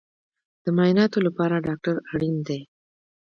د معایناتو لپاره ډاکټر اړین دی